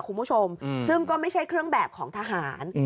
คุณผู้ชมซึ่งก็ไม่ใช่เครื่องแบบของทหาร